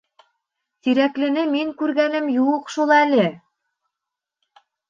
Тирәклене мин күргәнем юҡ шул әле.